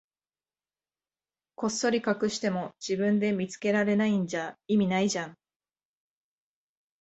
こっそり隠しても、自分で見つけられないんじゃ意味ないじゃん。